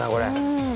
うん。